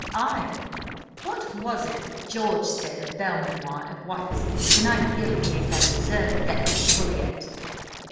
"Ay. What was it George said of Belmanoir at White's the night Gilly made that absurd bet with Ffolliott?"